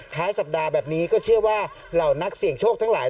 ท้ายสัปดาห์แบบนี้ก็เชื่อว่าเหล่านักเสี่ยงโชคทั้งหลาย